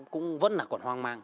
cũng vẫn là còn hoang mang